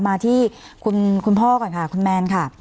มาที่คุณพ่อก่อนค่ะคุณแมนค่ะ